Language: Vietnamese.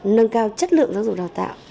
nâng cao chất lượng giáo dục đào tạo